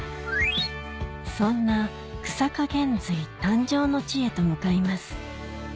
そんな久坂玄瑞誕生の地へと向かいます